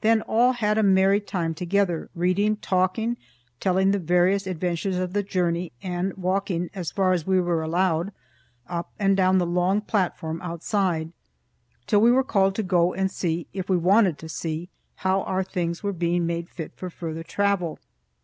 Then all had a merry time together, reading, talking, telling the various adventures of the journey, and walking, as far as we were allowed, up and down the long platform outside, till we were called to go and see, if we wanted to see, how our things were being made fit for further travel.